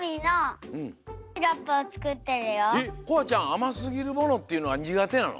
あますぎるものっていうのはにがてなの？